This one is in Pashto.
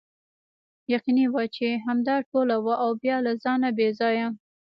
یقیني وه چې همدا ټوله وه او بیا له ځانه بې ځایه.